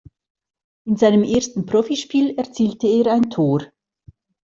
In seinem ersten Profispiel erzielte er ein Tor.